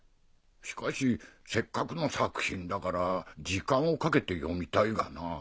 しかしせっかくの作品だから時間をかけて読みたいがなぁ。